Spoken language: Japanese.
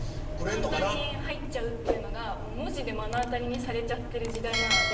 簡単に入っちゃうというのが文字で目の当たりにできる時代なので。